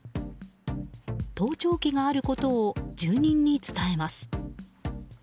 盗聴器があることを住人に伝えます。